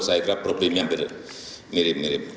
saya kira problemnya mirip mirip